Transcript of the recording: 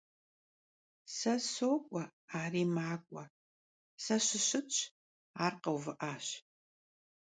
Se sok'ue — ari mak'ue; se sışıtş, ar kheuvı'aş.